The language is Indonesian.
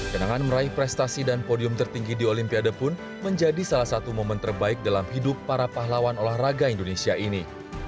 kenangan meraih prestasi dan podium tertinggi di olimpiade pun menjadi salah satu momen terbaik dalam hidup para pahlawan olahraga indonesia ini